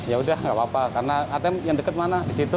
ya udah nggak apa apa karena atm yang deket mana disitu